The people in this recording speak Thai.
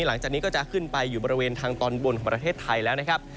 หลังจากนี้ก็จะขึ้นไปอยู่บริเวณทางตอนบนของประเทศไทยแล้วนะครับ